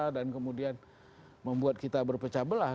dan kemudian membuat kita berpecah belah